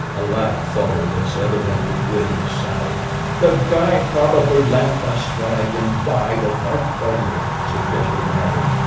A laugh followed this evidently witty sally. "The guy probably lamped the swag an' died of heart failure," suggested another.